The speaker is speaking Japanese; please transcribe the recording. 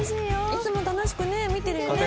いつも楽しくね見てるよね。